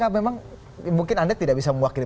memang mungkin anda tidak bisa mewakili